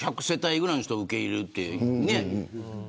１００世帯くらいの人受け入れるって、ね。